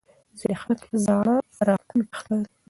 ځینې خلک زړه راښکونکي ښکاري.